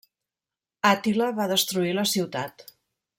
Àtila va destruir la ciutat.